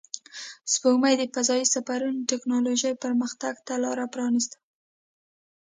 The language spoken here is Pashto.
سپوږمۍ د فضایي سفرونو د تکنالوژۍ پرمختګ ته لار پرانیسته